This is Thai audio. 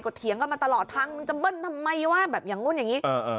เบิ้ลท่อเสียงดัง